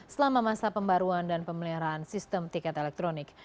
selama masa pembaruan dan pemeliharaan sistem tiket elektronik